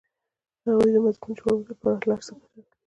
هغوی د مضمون جوړونې لپاره له هر څه ګټه اخلي